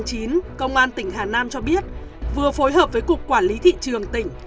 ngày một mươi năm tháng chín công an tỉnh hà nam cho biết vừa phối hợp với cục quản lý thị trường tỉnh